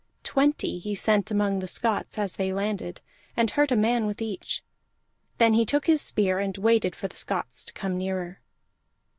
Twenty he sent among the Scots as they landed, and hurt a man with each; then he took his spear, and waited for the Scots to come nearer.